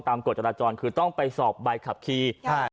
ตามกฎจรจรคือต้องไปสอบใบคลับคีย์